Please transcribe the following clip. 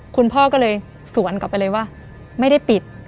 คุณพ่อก็เลยสวนกลับไปเลยว่าไม่ได้ปิด